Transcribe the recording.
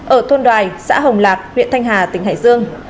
ở thôn đoài xã hồng lạc huyện thanh hà tỉnh hải dương